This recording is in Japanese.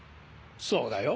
そうだよ。